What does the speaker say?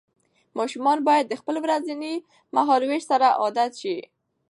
ماشوم باید د خپل ورځني مهالوېش سره عادت شي.